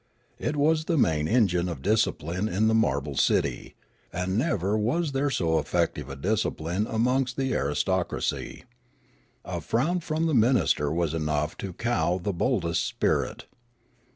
It was the main engine of discipline in the marble city. And never was there so effective a discipline amongst an aristo cracy. A frown from the minister was enough to cow the boldest spirit.